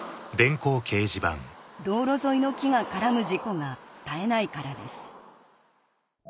道路沿いの木が絡む事故が絶えないからです